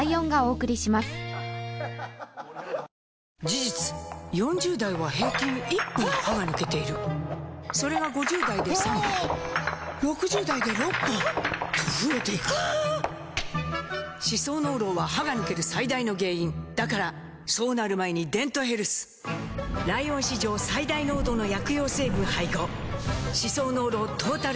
事実４０代は平均１本歯が抜けているそれが５０代で３本６０代で６本と増えていく歯槽膿漏は歯が抜ける最大の原因だからそうなる前に「デントヘルス」ライオン史上最大濃度の薬用成分配合歯槽膿漏トータルケア！